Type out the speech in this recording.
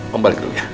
pembalik dulu ya